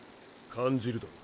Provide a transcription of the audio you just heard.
感じるだろう。